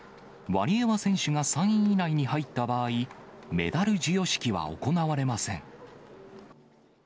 ワリエワ選手が３位以内に入った場合、メダル授与式は行われません。